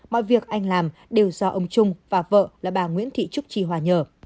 mọi việc anh làm đều do ông trung và vợ là bà nguyễn thị trúc trì hòa nhờ